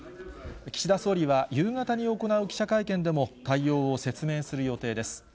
岸田総理は、夕方に行う記者会見でも、対応を説明する予定です。